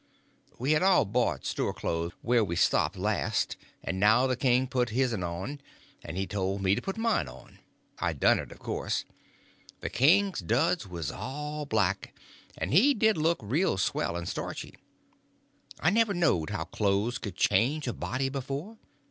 We had all bought store clothes where we stopped last; and now the king put his'n on, and he told me to put mine on. I done it, of course. The king's duds was all black, and he did look real swell and starchy. I never knowed how clothes could change a body before.